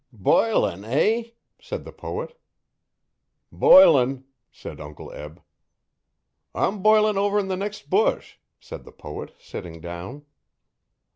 'Bilin', eh?' said the poet 'Bilin',' said Uncle Eb. 'I'm bilin' over 'n the next bush,' said the poet, sitting down.